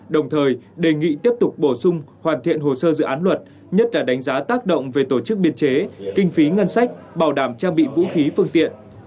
đồng thời đề nghị tiếp tục bổ sung hoàn thiện hồ sơ dự án luật nhất là đánh giá tác động về tổ chức biên chế kinh phí ngân sách bảo đảm trang bị vũ khí phương tiện